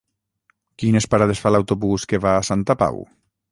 Quines parades fa l'autobús que va a Santa Pau?